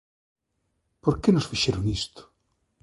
Por que nos fixeron isto?